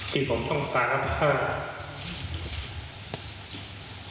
ที่ผมต้องสารภาพ